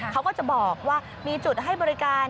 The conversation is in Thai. เขาก็จะบอกว่ามีจุดให้บริการ